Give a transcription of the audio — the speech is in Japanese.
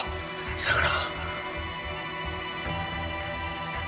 相良！